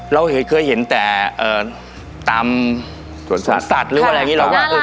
เราเคยเคยเห็นแต่เอ่อตามสวนสัตว์สวนสัตว์หรือว่าอะไรอย่างงี้